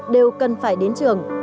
đều cần phải đến trường